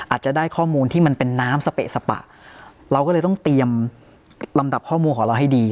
อาจจะได้ข้อมูลที่มันเป็นน้ำสเปะสปะเราก็เลยต้องเตรียมลำดับข้อมูลของเราให้ดี